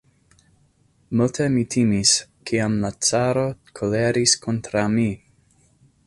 Multe mi timis, kiam la caro koleris kontraŭ mi!